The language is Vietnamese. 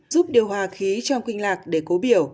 giúp điều hòa khí trong kinh lạc để cố biểu